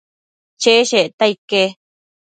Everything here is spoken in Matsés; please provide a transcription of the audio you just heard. cheshecta ique